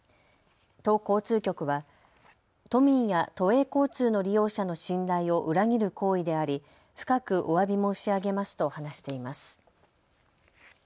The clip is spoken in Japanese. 都交通局は都民や都営交通の利用者の信頼を裏切る行為であり、深くおわび申し上げますと話しています。